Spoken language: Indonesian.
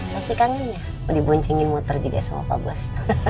pasti kangen ya diboncingin motor juga sama pak bos